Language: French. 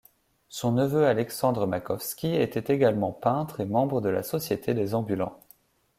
Son neveu Alexandre Makovski était également peintre et membre de la société des Ambulants.